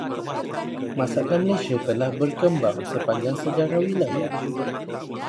Masakan Malaysia telah berkembang sepanjang sejarah wilayah.